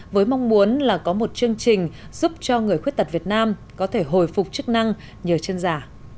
với mong muốn là có một chương trình giúp cho người khuyết tật việt nam có thể hồi phục chức năng nhờ chân giả